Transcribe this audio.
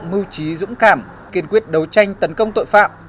mưu trí dũng cảm kiên quyết đấu tranh tấn công tội phạm